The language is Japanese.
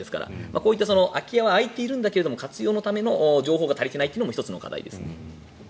こういった空き家は空いているんだけど活用のための情報が足りていないのも１つの課題ですね。